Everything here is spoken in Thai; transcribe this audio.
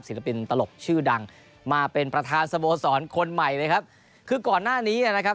ปินตลกชื่อดังมาเป็นประธานสโมสรคนใหม่เลยครับคือก่อนหน้านี้นะครับ